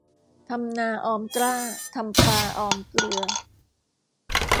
ทำนาออมกล้า ทำปลาออมเกลือ